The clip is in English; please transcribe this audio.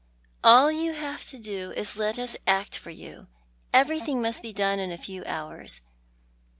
"All you have to do is to let us act for you. Everything must be done in a few hours.